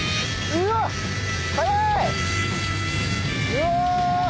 うわ！